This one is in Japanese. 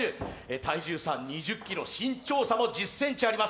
体重差２０ｋｇ、身長差も１０ｃｍあります